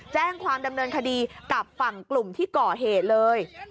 แจ้งความดำเนินคดีกับฝั่งกลุ่มที่ก่อเหตุเลย